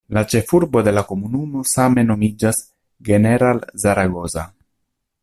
La ĉefurbo de la komunumo same nomiĝas "General Zaragoza".